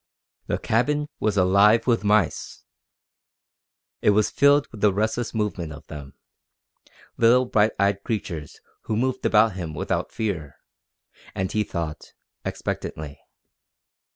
The cabin was alive with mice! It was filled with the restless movement of them little bright eyed creatures who moved about him without fear, and, he thought, expectantly.